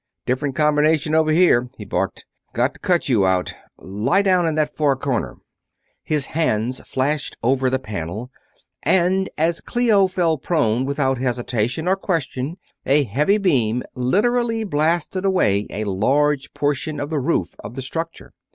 "Different combination over here!" he barked. "Got to cut you out lie down in that far corner!" His hands flashed over the panel, and as Clio fell prone without hesitation or question a heavy beam literally blasted away a large portion of the roof of the structure.